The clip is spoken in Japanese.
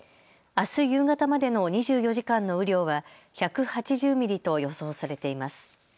あす夕方までの２４時間の雨量は１８０ミリと予想されています。